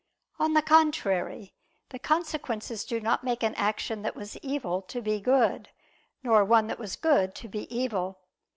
On the contrary, The consequences do not make an action that was evil, to be good; nor one that was good, to be evil.